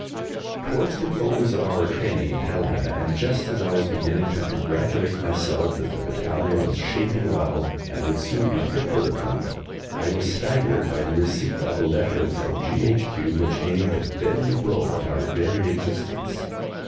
Towards the close of our training at Helmieh, and just as I was beginning to congratulate myself that the battalion was shaping well and would soon be fit for the front, I was staggered by the receipt of a letter from G.H.Q. which aimed a deadly blow at our very existence.